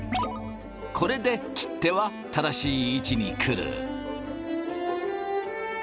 これで切手は正しい位置に来る。